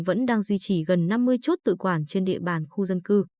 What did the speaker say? vẫn đang duy trì gần năm mươi chốt tự quản trên địa bàn khu dân cư